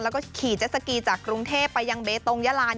แล้วก็ขี่เจสสกีจากกรุงเทพไปยังเบตงยาลา